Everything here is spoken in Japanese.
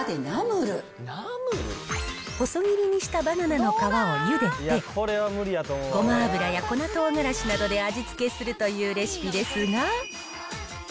細切りにしたバナナの皮をゆでて、ごま油や粉とうがらしなどで味付けするというレシピですが。